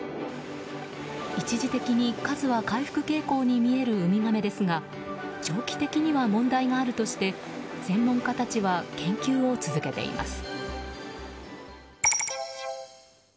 一時的に、数は回復傾向に見えるウミガメですが長期的には問題があるとして専門家たちは研究を続けています。